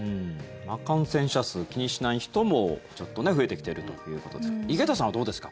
感染者数、気にしない人も増えてきているということですが井桁さんはどうですか。